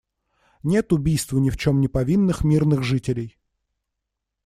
Нет убийству ни в чем не повинных мирных жителей.